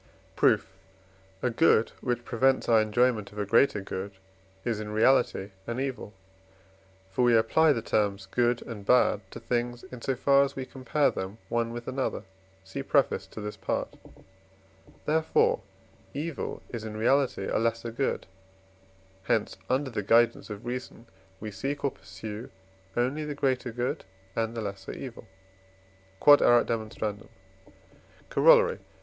Proof. A good which prevents our enjoyment of a greater good is in reality an evil; for we apply the terms good and bad to things, in so far as we compare them one with another (see preface to this Part); therefore, evil is in reality a lesser good; hence under the guidance of reason we seek or pursue only the greater good and the lesser evil. Q.E.D. Corollary.